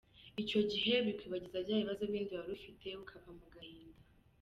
Icyo gihe bikwibagiza bya bibazo bindi wari ufite ukava mu gahinda.